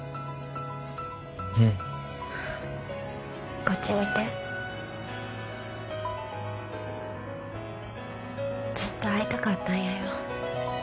うんこっち見てずっと会いたかったんやよ